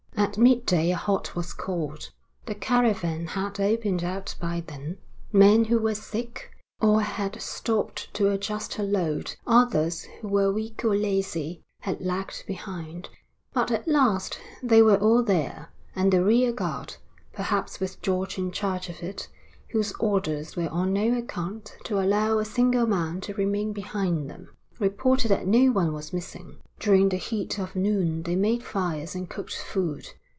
At midday a halt was called. The caravan had opened out by then; men who were sick or had stopped to adjust a load, others who were weak or lazy, had lagged behind; but at last they were all there; and the rear guard, perhaps with George in charge of it, whose orders were on no account to allow a single man to remain behind them, reported that no one was missing. During the heat of noon they made fires and cooked food.